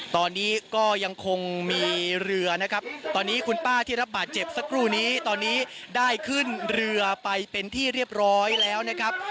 ตอนนี้ก็ยังคงมีเรือนะครับตอนนี้คุณป้าที่รับบาดเจ็บสักครู่นี้ตอนนี้ได้ขึ้นเรือไปเป็นที่เรียบร้อยแล้วนะครับ